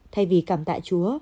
thay vì cảm tạ chúa